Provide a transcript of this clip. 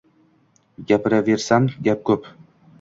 Gapiraversam, gap ko`p